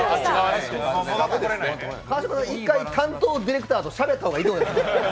川島さん、一回、担当ディレクターとしゃべった方がいいと思います。